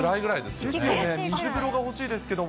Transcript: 水風呂が欲しいですけれども。